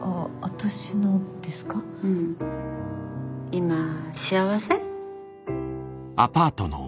今幸せ？